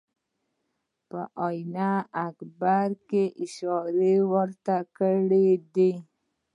په آیین اکبري کې اشاره ورته کړې ده.